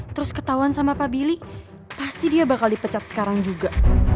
terus ketahuan sama pak bilik pasti dia bakal dipecat sekarang juga